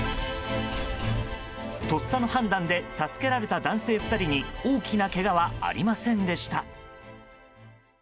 とっさの判断で助けられた男性２人に大きなけがはありませんでした。